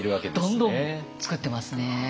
どんどん作ってますね。